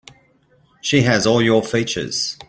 She has all your features.